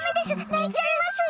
泣いちゃいますよ！